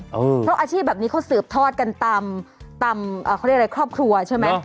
เพราะอาชีพแบบนี้เขาสืบทอดกันตามเขาเรียกอะไรครอบครัวใช่ไหม